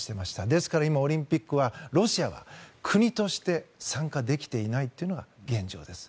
ですから、今、オリンピックはロシアは国として参加できていないというのが現状です。